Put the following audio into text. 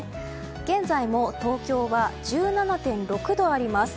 現在も東京は１７．６度あります。